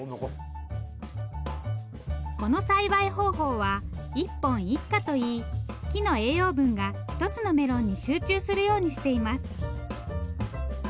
この栽培方法は一本一果といい木の栄養分が一つのメロンに集中するようにしています。